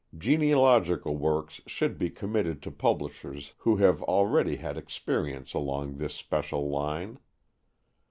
Genealogical works should be committed to publishers who have already had experience along this special line.